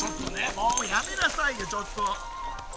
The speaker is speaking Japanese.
もうやめなさいよちょっと！